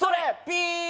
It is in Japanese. ピー！